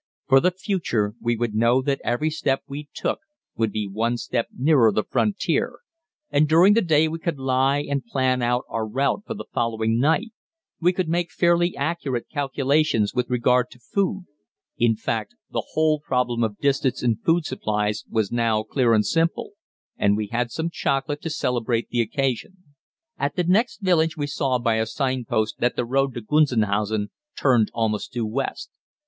For the future we would know that every step we took would be one step nearer the frontier, and during the day we could lie and plan out our route for the following night we could make fairly accurate calculations with regard to food in fact, the whole problem of distance and food supplies was now clear and simple, and we had some chocolate to celebrate the occasion. At the next village we saw by a sign post that the road to Gunzenhausen turned almost due west.